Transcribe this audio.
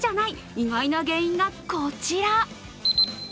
意外な原因がこちら。